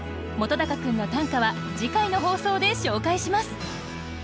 本君の短歌は次回の放送で紹介します。